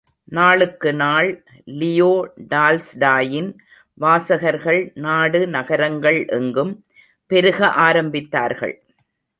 நாளுக்கு நாள் லியோ டால்ஸ்டாயின் வாசகர்கள் நாடு நகரங்கள் எங்கும் பெருக ஆரம்பத்தார்கள்.